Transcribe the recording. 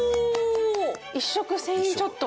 １食１０００円ちょっと！